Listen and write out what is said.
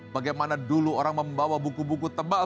bagaimana dulu orang membawa buku buku tebal